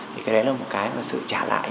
thì cái đấy là một cái mà sự trả lại